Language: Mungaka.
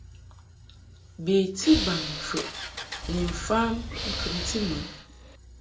Beti baŋmfəʼ ni mfam ŋkɨmti mɨ.